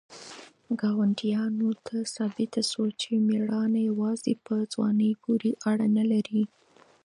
ګاونډیانو ته ثابته شوه چې مېړانه یوازې په ځوانۍ پورې اړه نه لري.